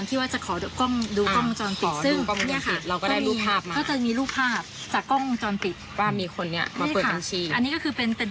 ผู้หญิงคนนี้รูปร่างเขาอ้วนกว่าน้องหนูเยอะมาก